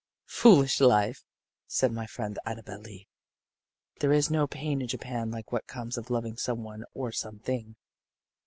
"Foolish life," said my friend Annabel Lee. "There is no pain in Japan like what comes of loving some one or some thing.